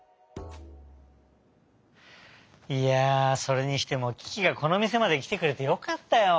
いやあそれにしてもキキがこのみせまできてくれてよかったよ。